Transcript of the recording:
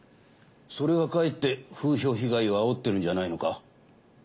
それがかえって風評被害をあおってるんじゃないのか？